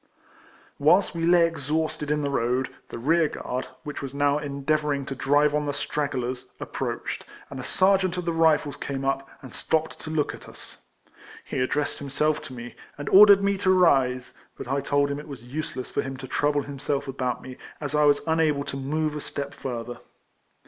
A\'iiiLST sve Iny exhausted in tlic road, the rear guard, whicli was now endeavour ing to drive on the stragglers, approached, and a sergeaiit of the Rifles came up, and stopped to look at us. He addressed him self to me, and ordered me to rise ; but I told him it was useless for him to trouble himself about me, as I was unable to move a step further.